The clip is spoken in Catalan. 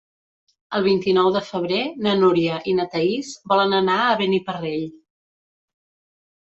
El vint-i-nou de febrer na Núria i na Thaís volen anar a Beniparrell.